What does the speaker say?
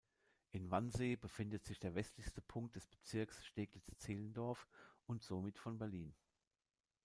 In Wannsee befindet sich der westlichste Punkt des Bezirks Steglitz-Zehlendorf und somit von Berlin.